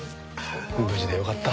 無事でよかった。